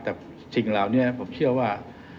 แต่สิ่งเหล่านี้ผมเชื่อว่า